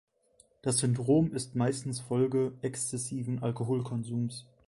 Das Syndrom ist meistens Folge exzessiven Alkoholkonsums.